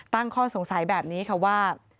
ตั้งข้อสงสัยแบบนี้ค่ะว่า